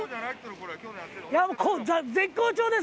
もう絶好調です。